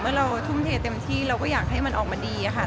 เราทุ่มเทเต็มที่เราก็อยากให้มันออกมาดีค่ะ